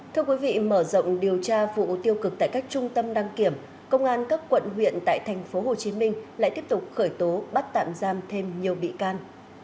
thưa quý vị mở rộng điều tra vụ tiêu cực tại các trung tâm đăng kiểm công an các quận huyện tại tp hcm lại tiếp tục khởi tố bắt tạm giam thêm nhiều bị can